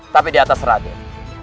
tapi diatas raden